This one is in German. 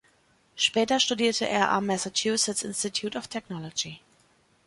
Später studierte er am Massachusetts Institute of Technology.